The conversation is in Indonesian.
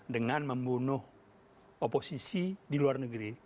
dengan membunuh oposisi di luar negeri